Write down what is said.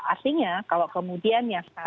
aslinya kalau kemudian yang